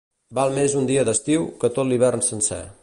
Val més un dia d'estiu, que tot l'hivern sencer.